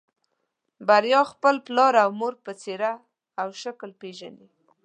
بريا خپل پلار او مور په څېره او شکل پېژني.